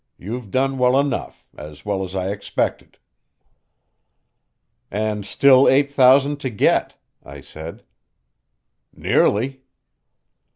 You've done well enough as well as I expected." "And still eight thousand to get," I said. "Nearly."